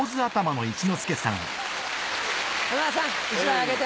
山田さん１枚あげて。